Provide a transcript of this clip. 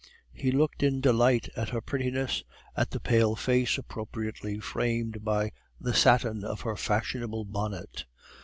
He looked in delight at her prettiness, at the pale face appropriately framed by the satin of her fashionable bonnet.